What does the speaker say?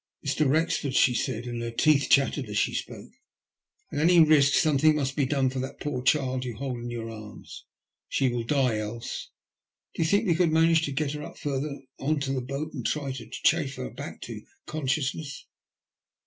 Mr. Wrexford/' she said, and her teeth chattered as she spoke, at any risk something must be done for that poor child you hold in your arms, she will die else. Do you think we could manage to get her up further on to the boat and then try to chafe her back to conciousness